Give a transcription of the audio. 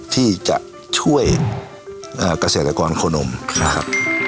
ที่จะช่วยเอ่อเกษตรกรโคนมค่ะ